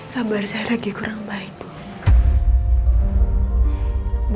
kabar saya lagi kurang baik